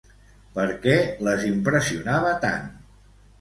Per què les impressionava tant?